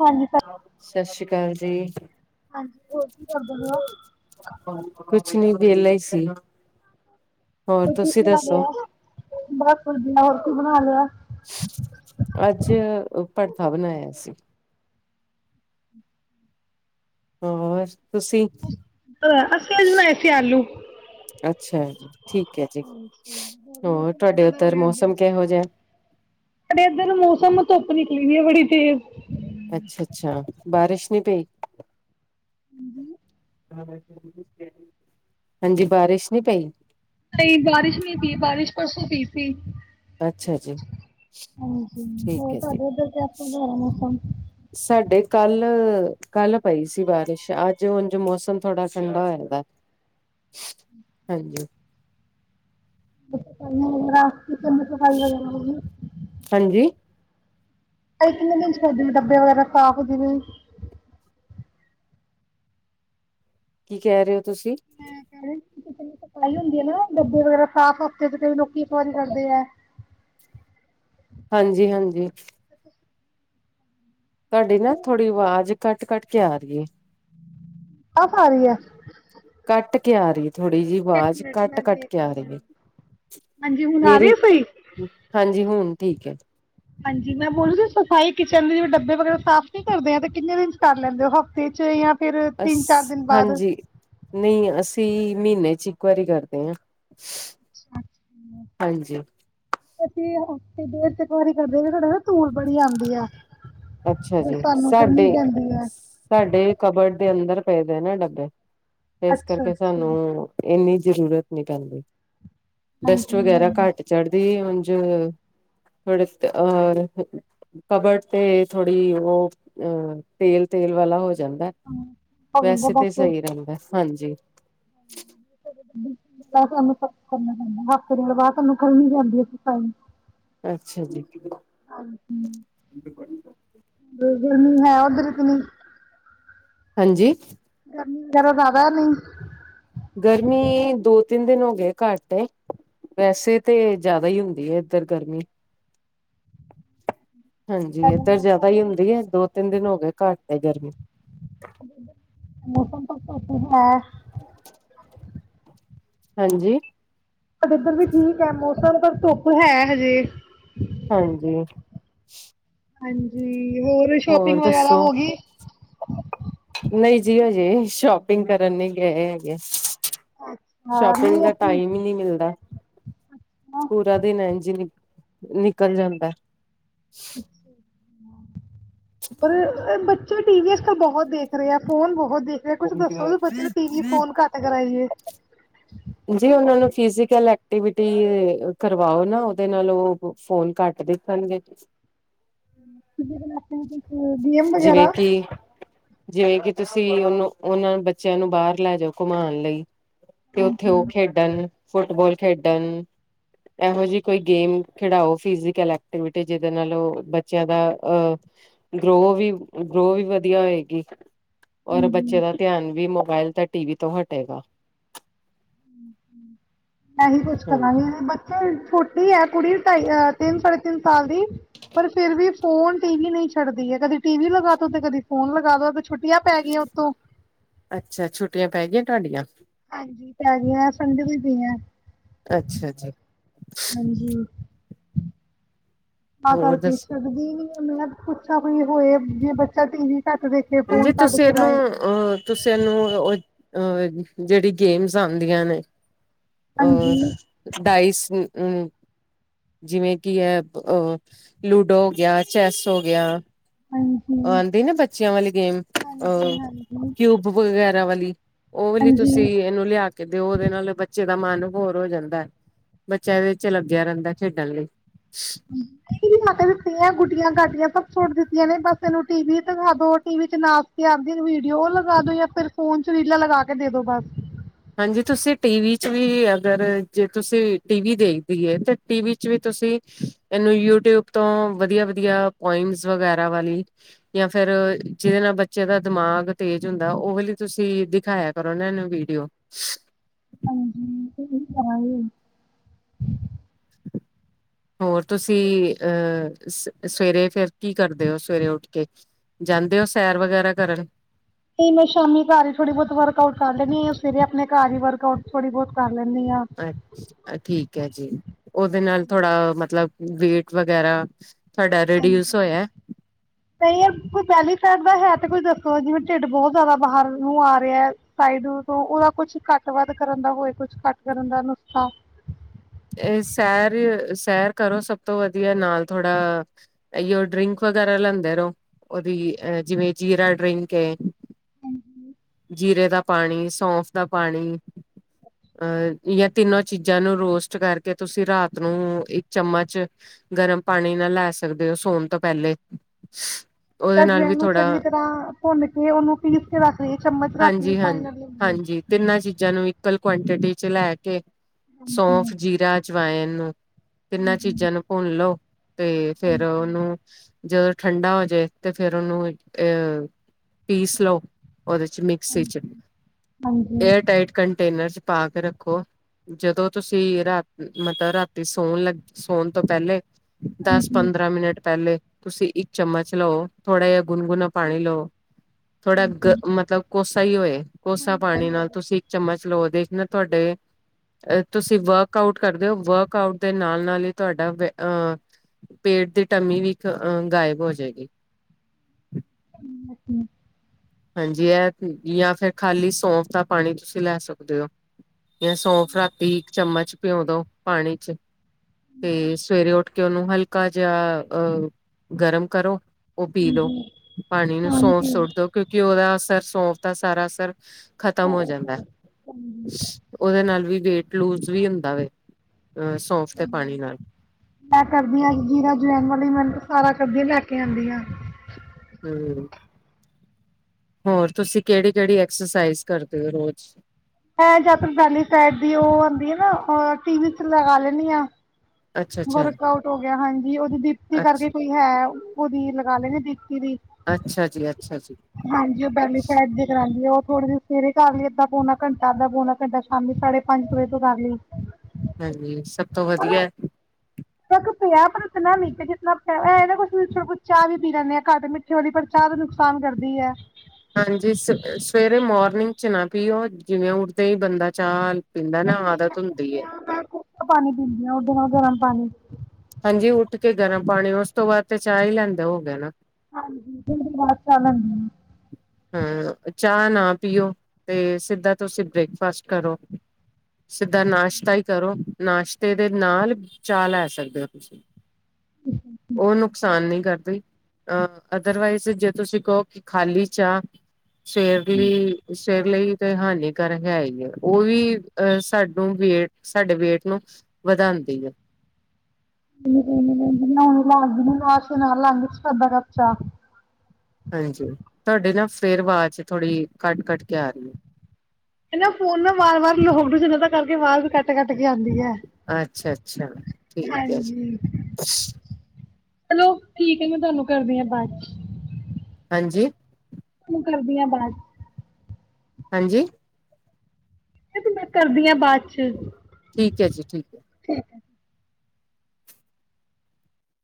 ਹਾਂਜੀ ਸਤਿ ਸ੍ਰੀ ਅਕਾਲ ਜੀ। ਹਾਂਜੀ ਹੋਰ ਕੀ ਕਰਦੇ ਪਏ ਹੋ ਕੁਛ ਨੀ ਵੇਹਲਾ ਹੀ ਸੀ। ਹੋਰ ਰੋਟੀ ਤੁਸੀਂ ਬਣਾ ਦੱਸੋ, ਲਿਆ ਬਸ ਵਧੀਆ ਹੋਰ ਕੀ ਬਣਾ ਲਿਆ ਸ ਅੱਜ ਭੜਥਾ ਬਣਾਇਆ ਸੀ। ਹੋਮ [inaudible] ਤੁਸੀਂ, ਅਸੀਂ ਅੱਜ ਬਣਾਏ ਸੀ ਆਲੂ ਅੱਛਾ ਠੀਕ ਹੈ ਜੀ। ਹਾਂਜੀ ਹੋਰ ਮੌਸਮ ਤੁਹਾਡੇ ਕਿੱਦਾਂ ਦਾ ਹੋ ਉੱਧਰ ਰਿਹਾ ਮੌਸਮ ਕਿਹੋ ਜਿਹਾ। ਸਾਡੇ ਇੱਧਰ ਮੌਸਮ ਧੁੱਪ ਨਿਕਲੀ ਦੀ ਏ ਬੜੀ ਤੇਜ਼। ਅੱਛਾ, ਅੱਛਾ ਬਾਰਿਸ਼ ਨਹੀਂ ਪਈ। ਹਾਂਜੀ [inaudible] [inaudible] ਹਾਂਜੀ ਬਾਰਿਸ਼ ਨਹੀਂ ਪਈ। ਨਹੀਂ ਬਾਰਿਸ਼ ਨਹੀਂ ਪੀ। ਬਾਰਿਸ਼ ਪਰਸੋਂ ਪੀ ਸੀ। ਅੱਛਾ ਜੀ, ਹਾਂਜੀ ਠੀਕ ਹੋਰ ਹੈ ਜੀ। ਤੁਹਾਡੇ ਉੱਧਰ ਕੈਸਾ ਦਾ ਹੈ ਮੌਸਮ ਸਾਡੇ ਕੱਲ, ਕੱਲ ਪਈ ਸੀ ਬਾਰਿਸ਼ ਅੱਜ ਉਂਜ ਮੌਸਮ ਥੋੜਾ ਠੰਡਾ ਹੋਏਦਾ, ਹਾਂਜੀ [unintelligible] ਆਡੀਓ ਵਿੱਚ ਆ ਰਹੀ ਆਵਾਜ਼ ਸਮਝ ਨਹੀਂ ਆ ਰਹੀ। ਆਡੀਓ ਵਿੱਚ ਆ ਰਹੀ ਆਵਾਜ਼ ਬਿਲਕੁਲ ਸਾਫ ਹਾਂਜੀ ਨਹੀਂ ਹੈ। ਅ ਕਿੰਨੇ ਦਿਨ ਕਰਦੇ ਨੇ, ਡੱਬੇ ਵਗੈਰਾ ਸਾਫ ਜਿਵੇਂ ਕੀ ਕਹਿ ਰਹੇ ਹੋ ਤੁਸੀਂ? ਮੈ ਕਹਿ ਸੀ ਜਿਸ ਦਿਨ ਸਫਾਈ ਹੁੰਦੀ ਹੈ ਨਾ ਡੱਬੇ ਵਗੈਰਾ ਸਾਫ਼ ਹਫ਼ਤੇ ਚ ਕਈ ਲੋਕੀ ਇੱਕ ਵਾਰੀ ਕਰਦੇ ਆ। ਹਾਂਜੀ, ਹਾਂਜੀ ਤੁਹਾਡੀ ਨਾ ਥੋੜ੍ਹੀ ਆਵਾਜ਼ ਕੱਟ ਕੱਟ ਕੇ ਆ ਰਹੀ ਏ। ਆਸ ਆ ਰੀ ਆ [unintelligible] ਕੱਟ ਕੇ ਆ ਰਹੀ ਆ। ਥੋੜ੍ਹੀ ਜਿਹੀ ਆਵਾਜ਼ ਮਿੰਟ ਮੈਂ ਕੱਟ-ਕੱਟ ਕੇ ਆ ਦੇਖਦੀ ਰਹੀ ਹਾਂ। ਹੈ। ਹਾਂਜੀ ਹੁਣ ਆ ਰਹੀ ਮੇਰੀ, ਹੈ ਸਹੀ। ਹਾਂਜੀ ਹੁਣ ਠੀਕ ਹੈ। ਹਾਂਜੀ ਮੈਂ ਬੋਕੀ ਜੀ ਸਫ਼ਾਈ ਕਿਚਨ ਦੇ ਜਿਵੇਂ ਡੱਬੇ ਵਗੈਰਾ ਸਾਫ਼ ਹੀਂ ਕਰਦੇ ਆ, ਤੇ ਕਿੰਨੇ ਦਿਨ ਚ ਕਰ ਲੈਂਦੇ ਹੋ ਹਫ਼ਤੇ ਚ ਜਾਂ ਫਿਰ ਅਸ ਤਿੰਨ ਚਾਰ ਦਿਨ ਬਾਅਦ। ਹਾਂਜੀ ਨਹੀਂ ਅਸ ਪੀ ਮਹੀਨੇ ਚ ਇੱਕ ਵਾਰੀ ਕਰਦੇ ਹਾਂ। ਹਾਂਜੀ ਅਸੀਂ ਹਫਤੇ ਚ ਦੋ ਤਿੰਨ ਵਾਰੀ ਕਰਦੇ ਤੁਡਾ ਨਾ ਧੂਲ ਬੜੀ ਆਦੀ ਆ ਅੱਛਾ ਫਿਰ ਜੀ, ਸਾਨੂੰ ਕਰਨੀ ਸਾਡੇ ਪੈਂਦੀ ਹੈ ਸਾਡੇ ਕਬਡ ਦੇ ਅੰਦਰ ਪਏ ਦੇ ਨਾ ਡੱਬੇ ਇਸ ਅੱਛਾ ਕਰਕੇ ਅੱਛਾ ਸਾਨੂੰ ਇੰਨੀ ਜ਼ਰੂਰਤ ਨਹੀਂੀ ਪੈਂਦੀ ਡਸਟ ਹਾਂਜੀ ਹਾਂ। ਵਗੈਰਾ ਘੱਟ ਚੜ੍ਹਦੀ ਉ ਆਡੀਓ ਵਿਚ ਆ ਆਵਾਜ਼ ਬਿਲਕੁਲ ਸਾਫ ਨਹੀਂ ਹੈ। ਸਮਝ ਨਹੀਂ ਆ ਰਹੀ। ਤੇ ਥੋੜ੍ਹੀ ਉਹ ਅ ਤੇਲ-ਤੇਲ ਵਾਲਾ ਹੋ ਜਾਂਦਾ ਹੋ ਵੈਸੇ ਜਾਂਦਾ ਤਾਂ ਬਸ। ਸਹੀ ਰਹਿੰਦਾ, ਹਾਂਜੀ ਆਡੀਓ ਵਿੱਚ ਆ ਰਹੀ ਆਵਾਜ਼ ਸਮਝ ਨਹੀਂ ਆ ਰਹੀ। ਅੱਛਾ ਜੀ। ਹਾਂਜੀ, ਗਰਮੀ ਹੈ, ਉਧਰ ਕ ਨੀ ਹਾਂਜੀ ਗਰਮੀ ਵਗੈਰਾ ਜ਼ਿਆਦਾ ਨਹੀਂ ਗਰਮੀ ਦੋ ਤਿੰਨ ਦਿਨ ਹੋ ਗਏ ਘੱਟ ਵੈਸੇ ਤੇ ਜ਼ਿਆਦਾ ਹੀ ਹੁੰਦੀ ਹੈ ਇੱਧਰ ਗਰਮੀ ਹਾਂਜੀ ਸਾਡੇ ਏਧਰ ਜ਼ਿਆਦਾ ਮੌਸਮ ਹੀ ਹੁੰਦੀ ਹੈ ਦੋ ਤਿੰਨ ਦਿਨ ਹੋ ਗਏ ਘੱ ਏਹ ਗਰਮੀ ਮੌਸਮ ਆਡੀਓ ਵਿੱਚ ਆ ਰਹੀ ਆਵਾਜ਼ ਸਮਝ ਨਹੀਂ ਆ ਰਹੀ ਹਾਂਜੀ ਇੱਧਰ ਵੀ ਠੀਕ ਹੈ ਮੋ [unintelligible] ਧੁੱਪ ਹੈ ਹਜੇ, ਹਾਂਜੀ, ਹਾਂਜੀ, ਹੋਰ ਸ਼ੋਪਿੰਗ ਵਗੈਰਾ ਹੋਗੀ ਐ, ਨਹੀਂ ਜੀ ਹਜੇ ਸ਼ੋਪਿੰਗ ਕਰਨ ਲਈ ਗਏ ਹੈਗੇ। ਅੱਛਾ ਸ਼ੋਪਿੰਗ ਨਹੀਂ ਦਾ ਅਸੀਂ ਟਾਈਮ ਹੀ ਨਹੀਂ ਮਿਲਦਾ। ਪੂਰਾ ਦਿਨ ਇਝ ਈ, ਨਿਕਲ ਜਾਂਦਾ, ਅੱਛਾ, ਪਰ ਬ ਪਰ ਟੀਵੀ ਅੱਜ ਕੱਲ ਬਹੁਤ ਦੇਖ ਰਹੇ ਆ ਫੋਨ ਬਹੁਤ ਦੇਖਦੇ ਕੁਛ ਦੱਸੋ ਬੱਚੇ ਨੇ ਟੀ ਵੀ ਫੋਨ ਘੱਟ ਕਰਾਈ ਏ, ਜੀ ਉਹਨਾ ਨੂੰ ਫਿਜੀਕਲ ਐਕਟੀਵਿਟੀ ਕਰਵਾਓ ਨਾ ਉਹਦੇ ਨਾਲ ਉਹ ਫੋਨ ਘੱਟ ਦੇਖਣਗੇ। [unintelligible] ਗੇਮ ਜਿਵੇਂ ਵਗੈਰਾ, ਕਿ ਜਿਵੇਂ ਕਿ ਤੁਸੀਂ ਉਹਨੂੰ ਉਹਨਾਂ ਬੱਚਿਆਂ ਨੂੰ ਬਾਹਰ ਲੈ ਜਾਓ ਘੁੰਮਾਉਣ ਲਈ ਤੇ, ਖੇਡਣ ਫੁੱਟਬਾਲ ਖੇਡਣ ਇਹੋ ਜਿਹੀ ਕੋਈ ਗੇਮ ਖਿਡਾਓ ਫਿਜੀਕਲ ਐਕਟੀਵਿਟੀ ਜਿਹਦੇ ਨਾਲ ਬੱਚਿਆਂ ਦਾ ਆ ਗਰੋ ਵੀ ਗਰੋ ਵੀ ਵਧੀਆ ਹੋਏਗੀ। ਔਰ ਹਾਂਜੀ ਬੱਚੇ ਦਾ ਧਿਆਨ ਵੀ ਮੁ ਮੋਬਾਇਲ ਤਾਂ ਟੀਵੀ ਤੋਂ ਹਟੇਗਾ। [inaudible] ਮੈਂ ਹੀ ਕੁੱਛ ਹਾਂਜੀ ਕਰਾਂਗੀ ਬੱਚੇ ਛੋਟੀ ਹੈ ਕੁੜੀ ਢਾਈ ਤਿੰਨ ਸ ਤਿੰਨ ਸਾਲ ਦੀ ਪਰ ਫਿਰ ਵੀ ਫੋਨ ਤੇ ਹੀ ਨਹੀਂ ਛੱਡਦੀ ਕਦੇ ਟੀਵੀ ਲਗਾ ਤਾ ਤੇ ਕਦੀ ਫੋਨ ਲਗਾ ਦੋ, ਛੁੱਟੀਆਂ ਪੈ ਗਈਆਂ ਉੱਤੋਂ, ਅੱਛਾ ਛੁੱਟੀਆਂ ਪੈ ਗਈ ਤੁਹਾਡੀਆਂ, ਹਾਂਜੀ ਪੈ ਗਈਆਂ ਸਨ ਜੀ, [unintelligible] ਅੱਛਾ ਜੀ, ਤਾ ਹੋਰ ਕਰਕੇ ਦੱਸੋ ਸਕਦੀ ਨੀ, ਮੈਂ ਪੁੱਛਾਂ ਬਈ ਹੋਏ ਜੇ ਬੱਚਾ ਟੀ ਜੇ ਤੁਸੀਂ ਇਹਨੂੰ ਅਹ ਤੁਸੀਂ ਇਹਨੂੰ ਉਹ, ਅਹ ਜਿਹੜੀ ਗੇਮਸ ਆਦੀਆਂ ਨੇ, ਹਾਂਜੀ ਅਹ ਡਾਈਸ ਅਮ ਜਿਵੇਂ ਕਿ ਹੈ ਲੂਡੋ ਹੋ ਗਿਆ ਚੈਸ ਹੋ ਗਿਆ। ਹਾਂਜੀ ਆਦੀ ਨਾ ਬੱਚਿਆਂ ਵਾਲੀ ਗੇਮ ਹਾਂਜੀ ਅਹ ਹਾਂਜੀ ਕਿਊਬ ਵਗੈਰ ਰਾਵਲੀ, ਉਹ ਲਈ ਤੁਸੀਂ ਹਾਂਜੀ ਇਹਨੂੰ ਲਿਆ ਕੇ ਦਿਓ ਉਹਦੇ ਨਾਲ ਬ ਦਾ ਮਨ ਹੋੋਰ ਹੋ ਜਾਂਦਾ ਐ। ਬੱਚਾ ਵਿੱਚ ਲੱਗਿਆ ਰਹਿੰਦਾ ਖੇਡਣ ਲਈ, [unintelligible] ਗੁੱਡੀਆਂ ਗਾਡੀਆਂ ਸਭ, ਸੁੱਟ ਦਿੱਤੀਆਂ ਨੇ ਬਸ ਇਹਨੂੰ ਟੀ ਵੀ ਦਿਖਾ ਦੋ ਟੀਵੀ ਚ ਨਾਚ ਕੇ ਆਦੀ ਵੀਡੀਓ ਲਗਾ ਦੋ ਜਾਂ ਫਿਰ ਫੋਨ ਚ ਰੀਲਾਂ ਲਗਾ ਕੇ ਦੇ ਦੋ ਬਸ ਹਾਂਜੀ ਤੁਸੀਂ ਟੀਵੀ ਚ ਵੀ ਅਗਰ ਜੇ ਤੁਸੀਂ ਟੀਵੀ ਦੇਖਦੀ ਹੈ, ਤਾਂ ਟੀਵੀ ਵੀ ਤੁਸੀਂ ਇਹਨੂੰ ਯੂਟਿਊਬ ਤੋਂ ਵਧੀਆ ਵਧੀਆ ਪੁਆਇਮਸ ਵਗੈਰਾ ਵਾਲੀ ਜਾਂ ਫਿਰ ਜਿਹਦੇ ਨਾਲ ਬੱਚਿਆਂ ਦਾ ਦਿਮਾਗ ਤੇਜ਼ ਹੁੰਦਾ ਉਹ ਵਾਲੀ ਤੁਸੀਂ ਦਿਖਾਇਆ ਕਰੋ ਇਹਨੁੰ ਵੀਡੀਓ। ਹਾਂਜੀ ਇਹੀ ਕਰਾਂਗੇ ਹੋਰ ਤੁਸੀਂ ਅਹ ਸਵੇਰੇ ਫਿਰ ਕੀ ਕਰਦੇ ਹੋ ਸਵੇਰੇ ਉੱਠ ਕੇ ਜਾਂਦੇ ਹੋ ਸੈਰ ਵਗੈਰਾ ਕਰਨ, ਨਹੀ ਮੈਂ ਸ਼ਾਮੀ ਘਰ ਹੀ ਥੋੜੀ ਬਹੁਤ ਵਰਕ ਆਊਟ ਕਰ ਲੈਨੀ ਆ। ਫਿਰ ਆਪਣੇ ਘਰ ਵਰਕਊਟ ਥੋੜੀ ਬਹੁਤ ਕਰ ਲੈਂਦੀ ਹਾਂ ਅੱਛਾ ਠੀਕ ਹੈ। ਜੀ, ਉਹਦੇ ਨਾਲ ਥੋੜਾ ਮਤਲਬ, ਬੇਟ ਵਗੈਰਾ, ਤੁਹਾਡਾ ਹਾਂਜੀ ਰਿਡਿਊਸ ਹੋਇਆ ਨਹੀਂ ਯਾਰ ਕੋਈ ਬੈਲੀ ਫੈਟ ਦਾ ਹੈ ਤੇ ਕੋਈ ਦੱਸ ਜਿਵੇਂ ਢਿੱਡ ਬਹੁਤ ਜ਼ਿਆਦਾ ਬਾਹਰ ਨੂੰ ਆ ਰਿਹਾ ਹੈ, ਸਾਈਡ ਤੋਂ ਓਦਾ ਕੁਛ ਘੱਟ ਵੱਧ ਕਰਨ ਦਾ ਹੋਵੇ, ਕੁਛ ਘੱਟ ਕਰਨ ਦਾ ਨੁਸਖਤਾ ਇਹ ਸੈਰ-ਸੈਰ ਕਰੋ ਸਭ ਤੋਂ ਵਧੀਆ ਨਾਲ ਥੋੜਾ ਇਓ ਡਰਿੰਕ ਵਗੈਰਾ ਲਿਆਂਦੇ ਰਹੋ। ਉਹਦੀ ਅਹ ਜਿਵੇਂ ਜੀਰਾ, ਡਰਿੰਕ ਐ ਜੀਰੇ ਦਾ ਪਾਣੀ ਸੌਫ ਦਾ ਪਾਣੀ ਅਹ ਇਹ ਤਿੰਨੋ ਚੀਜ਼ਾਂ ਨੂੰ ਰੋਸਟ ਕਰਕੇ ਤੁਸੀਂ ਰਾਤ ਨੂੰ ਇੱਕ ਚਮਚ ਗਰਮ ਪਾਣੀ ਨਾਲ ਲੈ ਸਕਦੇ ਹੋ ਸੌਣ ਤੋਂ ਪਹਿਲੇ ਉਹਦੇ ਨਾਲ ਵੀ ਅਜਵਾਇਨ ਨੂੰ ਥੋੜਾ ਚੰਗੀ ਤਰ੍ਹਾਂ ਭੁੰਨ ਕੇ ਉਹਨੂੰ ਪੀਸ ਕੇ ਰੱਖਦੇ, ਹਾਂਜੀ-ਹਾਂਜੀ-ਹਾਂਜੀ, ਤਿੰਨਾਂ ਚੀਜ਼ਾਂ ਚੀਜ਼ਾਂ ਨੂੰ ਇਕਅਲ ਕੁਆਂਟਿਟੀ ਚ ਲੈ ਕੇ, ਹੂੰ, ਸੌਂਫ ਜੀਰਾ ਅੱਜ ਵਾਇਨ ਨੂੰ, ਤਿੰਨਾਂ ਹੂੰ, ਚੀਜ਼ਾਂ ਨੂੰ ਭੁੰਨ ਲਓ ਤੇ ਫਿਰ ਹਾਂਜੀ, ਹਾਂਜੀ, ਉਹਨੂੰ ਜਦੋਂ ਠੰਡਾ ਹੋਜੇ ਤੇ ਫਿਰ ਉਹਨੂੰ ਅਹ ਪੀਸ ਲਓ। ਉਹਦੇ, ਮਿਕਸੀ ਹਾਂਜੀ, ਚ ਹਾਂਜੀ, ਹਾਂਜੀ, ਏਅਰ ਟਾਈਟ ਕਨ ਕਨਟੇਨਰ ਚ ਪਾ ਕੇ ਰੱਖੋ, ਜਦੋਂ ਤੁਸੀਂ ਰਾਤ ਮਤਲਬ ਰਾਤੀ ਸੌਣ ਲੱਗ ਸੌਣ ਤੋਂ ਪਹਿਲੇ ਦਸ ਹਾਂਜੀ, ਪੰਦਰਾਂ ਮਿੰਟ ਪਹਿਲੇ, ਤੁਸੀਂ ਇੱਕ ਚਮਚ ਲਓ, ਥੋੜ੍ਹਾ ਜਿਹਾ ਗੁਨਗੁਣਾ ਪਾਣੀ ਲਓ। ਥੋੜਾ ਗ ਹਾਂਜੀ, ਮਤਲਬ ਕੋਸਾ ਹੀ ਹੋਏ। ਕੋਸਾ ਹਾਂਜੀ, ਪਾਣੀ ਨਾਲ ਤੁਸੀਂ ਇੱਕ ਚਮਚ ਲਓ ਉਹਦੇ ਨਾ, ਤੁਹਾਡੇ ਤੁਸੀਂ ਵਰਕ ਆਊਟ ਕਰਦੇ ਹੋ ਵਰਕ ਆਊਟ ਦੇ ਨਾਲ ਨਾਲ ਹੀ ਤੁਹਾਡਾ ਅਹ ਪੇਟ ਦੀ ਟਮੀ ਵੀ ਅ ਗਾਇਬ ਹੋ ਜਾਏਗੀ। [unintelligible] ਹਾਂਜੀ, ਇਹ ਜਾਂ ਫਿਰ ਖਾਲੀ ਸੌਂਫ ਦਾ ਪਾਣੀ ਤੁਸੀਂ ਲੈ ਸਕਦੇ ਹੋ। ਜਾਂ ਸੌ ਫਰਾਤੀ ਇੱਕ ਚਮਚ, ਪਿਉਂ ਦੋ ਪਾਣੀ ਚ, ਤੇ ਸਵੇਰੇ ਉੱਠ ਕਿ ਉਹਨੂੰ ਹਲਕਾ ਜਿਹਾ ਅਹ ਗਰਮ ਕਰੋ। ਉਹ ਪੀ ਲੋ ਪਾਣੀ ਨੂੰ ਸੌਸ ਸੁੱਟ ਦੋ ਕਿਉਂ ਉਹਦਾ ਸਰ ਸੌਂਫ ਦਾ ਸਾਰਾ ਅਸਰ, ਖਤਮ ਹੋ ਸਾਰਾ ਜਾਂਦਾ ਹਿਸਾਬ। ਉਹਦੇ ਨਾਲ ਵੀ, ਵੇਟ ਲੂਜ ਵੀ ਹੁੰਦਾ ਵੇ, ਅ ਸੌਂਫ ਦੇ ਪਾਣੀ ਨਾਲ ਮੈਂ ਕਰਦੀ ਹਾਂ ਜੀਰਾ ਜਵੈਣ ਵਾਲੀ ਮ ਸਾਰਾ ਕਦੀ ਲੈ ਕੇ ਆਦੀ ਆ, ਹੂੰ, ਹੋਰ ਤੁਸੀਂ ਕਿਹੜੀ ਕਿਹੜੀ ਐਕਸਰਸਾਈਜ਼ ਕਰਦੇ ਹੋ ਰੋਜ਼, ਹੈ ਜੈਲੀ ਸਾਈਡ ਦੀ ਉਹ ਆਦੀ ਆ ਨਾ ਟੀ ਵੀ ਚ ਲਗਾ ਲੈਣੀ ਆ। ਅੱਛਾ ਅੱਛਾ ਵਰਕ ਆਊਟ, ਹਾਂਜੀ, ਵੀ ਉਹਦੀ ਦੀਪਤੀ ਕਰਕੇ ਅੱਛਾ ਕੋਈ ਹੈ, ਉਹਦੀ ਲਗਾ [unintelligible] ਦੀ, ਦੀ ਵੀ ਅੱਛਾ ਜੀ ਅੱਛਾ ਜੀ ਹਾਂਜੀ ਉਹ ਬੈਲੀ ਫੇਟ ਦੀ ਕਰਾਦੀ ਹੈ ਉਹ, ਥੋੜੀ ਜੀ ਸਵੇਰੇ ਕਰ ਲਈਏ ਅੱਧਾ ਪਉਣਾ ਘੰਟਾ ਅੱਧਾ ਪਉਣਾ ਘੰਟਾ ਸ਼ਾਮੀ ਸਾਢੇ ਪੰਜ ਕੁ ਵਜੇ ਤੋਂ ਕਰ ਲਈ। ਹਾਂਜੀ, ਸਭ ਤੋਂ ਵਧੀਆ, ਤੱਕ ਪਿਆ ਪਰ ਇਤਨਾ ਨੀ ਜਿਤਨਾ ਪਿਆ ਜਿਤਨਾ ਪੇਨਾ ਕੁਛ-ਕੁਛ ਚਾਹ ਵੀ ਪੀ ਲੈਂਦੇ ਆ ਘੱਟ ਮਿੱਠੇ ਵਾਲੀ ਪਰ ਚਾਹ ਦਾ ਨੁਕਸਾਨ ਕਰਦੀ ਹੈ। ਹਾਂਜੀ ਸ ਸਵੇਰੇ ਮੋਰਨਿੰਗ ਚ ਨਾ ਪੀਓ ਜਿਵੇਂ ਉੱਡਦੇ ਹੀ ਬੰਦਾ ਚਾਹ, ਪਿਤਾ ਨੇ ਆਦਤ ਹੁੰਦੀ ਐ। ਪਾਣੀ ਪੀਂਦੀ ਆ ਉਦੋ ਮੈਂ ਗਰਮ ਪਾਣੀ, ਹਾਂਜੀ ਉੱਠ ਕੇ ਗਰਮ ਪਾਣੀ ਉਸ ਤੋਂ ਬਾਅਦ ਤੇ ਚਾਹ ਹੀ ਲੈਂਦਾ ਹੋ ਗਿਆ ਨਾ, ਹਾਂਜੀ [unintelligible] ਹਮ ਚਾਹ ਨਾ ਪੀਓ ਤੇ ਸਿੱਧਾ ਤੁਸੀਂ ਬ੍ਰੇਕਫਾਸਟ ਕਰੋ, ਸਿੱਧਾ ਨਾਸ਼ਤਾ ਹੀ ਕਰੋ ਨਾਸ਼ਤੇ ਦੇ ਨਾਲ ਚਾਹ ਲੈ ਸਕਦੇ ਹੋ, ਤੁਸੀਂ ਉਹ ਨੁਕਸਾਨ ਨਹੀਂ ਕਰਦੀ ਅਹ ਅਦਰਵਾਈਜ਼ ਜੇ ਤੁਸੀਂ ਕਹੋ ਕਿ ਖਾਲੀ, ਅੱਛਾ, ਸਵੇਰਲੀ ਸ਼ੇਰਲੀ, ਤੇ ਹਾਨੀਕਾਰਕ ਹੈ ਹੀ ਹੈ ਉਹ ਵੀ ਅਹ ਸਾਨੂੰ ਵੇਟ ਸਾਡੇ ਵੇਟ ਨੂੰ ਵਧਾਦੀ ਹੈ, [unintelligible] ਹਾਂਜੀ ਤੁਹਾਡੇ ਨਾ ਫੇਰ ਆਵਾਜ਼ ਚ ਥੋੜ੍ਹੀ ਕੱਟ-ਕੱਟ ਕੇ ਆ ਰਹੀ ਹੈ। ਇਹਨਾ ਫੋਨ ਨਾ ਵਾਰ-ਵਾਰ ਲੋ ਜਿਨਾਂ ਤਾਂ ਕਰਕੇ ਮਾਰ ਵੀ ਕੱਟ-ਕੱਟ, ਕੇ ਆਉਂਦੀ ਹੈ ਅੱਛਾ-ਅੱਛਾ ਠੀਕ ਹੈ ਜੀ, ਹਾਂਜੀ ਚਲੋ ਠੀਕ ਹੈ ਮੈਂ ਤੁਹਾਨੂੰ ਕਰਦੀ ਹਾ ਬਾਅਦ ਚ, ਹਾਂਜੀ, ਮੈਂ ਕਰਦੀਆਂ ਬਾਅਦ ਚ, ਹਾਂਜੀ, ਇਹ ਤੇ ਮੈਂ ਕਰਦੀ ਹਾਂ ਬਾਅਦ ਚ, ਠੀਕ ਹੈ ਜੀ ਠੀਕ ਹੈ, [inaudible]